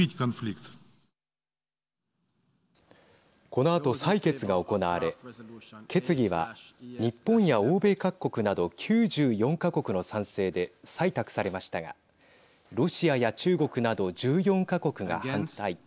このあと採決が行われ決議は日本や欧米各国など９４か国の賛成で採択されましたが、ロシアや中国など１４か国が反対。